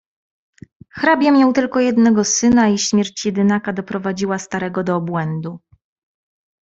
"Hrabia miał tylko jednego syna i śmierć jedynaka doprowadziła starego do obłędu."